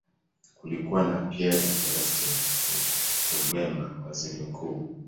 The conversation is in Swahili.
Kulikuwa na Pierre Celestin Rwigema, waziri mkuu.